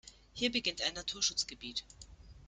Hier beginnt ein Naturschutzgebiet.